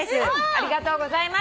ありがとうございます。